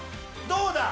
どうだ